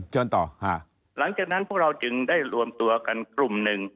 เชิญต่อหลังจากนั้นพวกเราจึงได้รวมตัวกันกลุ่มหนึ่ง